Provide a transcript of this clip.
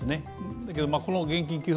だけどこの現金給付